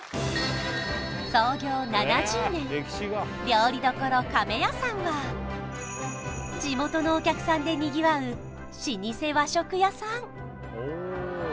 料理処亀屋さんは地元のお客さんでにぎわう老舗和食屋さん